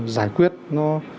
giải quyết nó